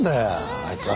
あいつは。